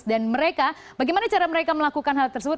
dan mereka bagaimana cara mereka melakukan hal tersebut